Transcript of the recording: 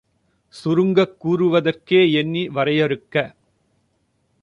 சுருங்கக் கூறுவதற்கே எண்ணி வரையறுக்கப்